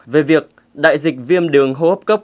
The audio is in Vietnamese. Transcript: về việc đại dịch viêm đường hô hấp cấp